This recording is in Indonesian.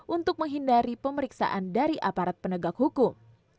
untuk menghindari pemeriksaan dari aparat penegak hukum